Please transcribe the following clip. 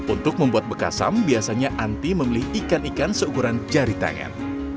untuk membuat bekasam biasanya anti memilih ikan ikan seukuran jari tangan